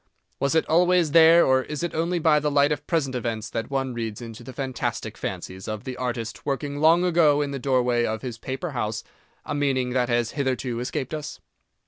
Was it always there, or is it only by the light of present events that one reads into the fantastic fancies of the artist working long ago in the doorway of his paper house, a meaning that has hitherto escaped us?